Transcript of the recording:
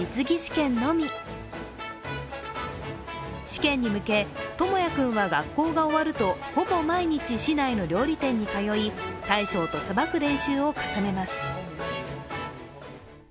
試験に向け、智弥君は学校が終わるとほぼ毎日、市内の料理店に通い、大将とさばく練習を重ねます。